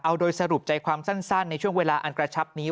เอาโดยสรุปใจความสั้นในช่วงเวลาอันกระชับนี้